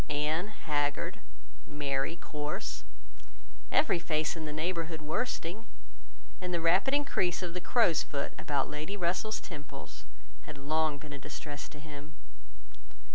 Anne haggard, Mary coarse, every face in the neighbourhood worsting, and the rapid increase of the crow's foot about Lady Russell's temples had long been a distress to him.